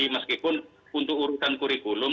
meskipun untuk urusan kurikulum